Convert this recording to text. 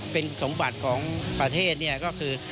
เป็นสมบัติของประเทศเนี่ยก็คือ